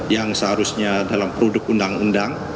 yang seharusnya dalam produk undang undang